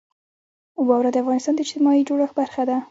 واوره د افغانستان د اجتماعي جوړښت برخه ده.